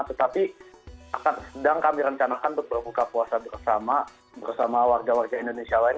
tetapi akan sedang kami rencanakan untuk berbuka puasa bersama bersama warga warga indonesia lain